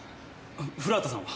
古畑さんは？